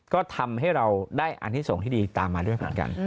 ก็ทำให้เราได้อันนี้ส่งที่ดีตามมาด้วยเหมือนกัน